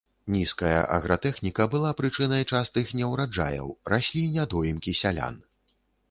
Нізкая агратэхніка была прычынай частых неўраджаяў, раслі нядоімкі сялян.